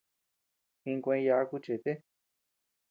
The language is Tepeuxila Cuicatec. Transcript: Jinkuee yaaku chete.